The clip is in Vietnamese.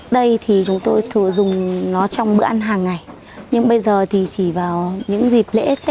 bây giờ chúng ta sẽ đi nướng thịt